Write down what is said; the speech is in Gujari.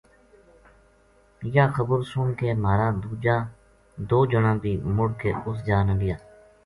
یاہ خبر سن کے مہارا دو جنا بھی مُڑ کے اُس جا نا گیا